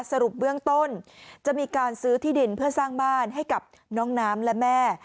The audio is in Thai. สรุปเบื้องต้นจะมีการซื้อที่ดินเพื่อสร้างบ้านให้กับน้องน้ำและแม่